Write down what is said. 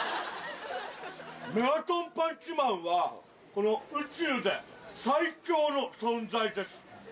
メガトンパンチマンは、この宇宙で最強の存在です。